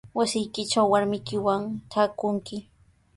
Wasiykitraw warmiykiwan taakunki.